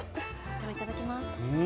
ではいただきます。